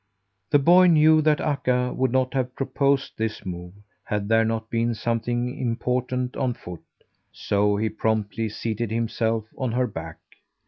The boy knew that Akka would not have proposed this move had there not been something important on foot, so he promptly seated himself on her back.